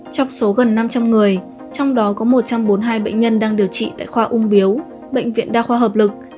trong số gần năm trăm linh người trong đó có một trăm bốn mươi hai bệnh nhân đang điều trị tại khoa ung biếu bệnh viện đa khoa hợp lực